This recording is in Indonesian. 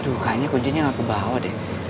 aduh kayaknya kuncinya gak kebawa deh